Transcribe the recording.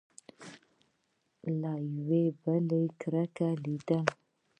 له یوه بله یې کرکه کېدله !